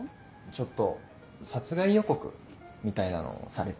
ちょっと殺害予告？みたいなのされて。